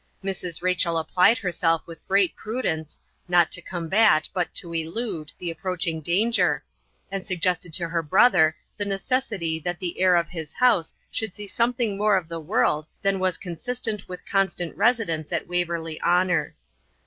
Mrs. Rachel applied herself with great prudence, not to combat, but to elude, the approaching danger, and suggested to her brother the necessity that the heir of his house should see something more of the world than was consistent with constant residence at Waverley Honour.